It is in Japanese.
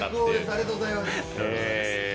ありがとうございます。